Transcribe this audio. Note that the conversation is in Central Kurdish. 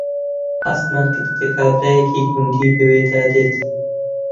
هەستمان کرد کابرایەکی گوندی بەوێدا دێت